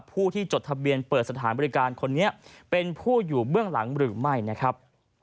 ผู้ที่จดทะเบียนเปิดสถานบริการคนนี้เป็นผู้อยู่เบื้องหลังหรือไม่นะครับ